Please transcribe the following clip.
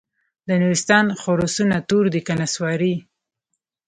د نورستان خرسونه تور دي که نسواري؟